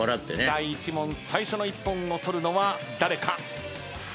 第１問最初の一本を取るのは誰か？